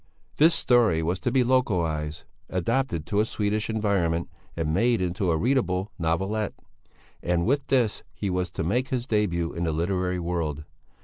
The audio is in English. This story was to be localized, adapted to a Swedish environment and made into a readable novelette; and with this he was to make his début in the literary world.